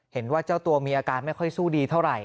เห็นว่าเจ้าตัวมีอาการไม่ค่อยสู้ดีเท่าไหร